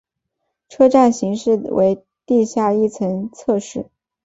车站型式为地下一层侧式。